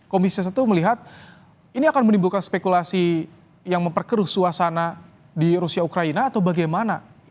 komisi satu melihat ini akan menimbulkan spekulasi yang memperkeruh suasana di rusia ukraina atau bagaimana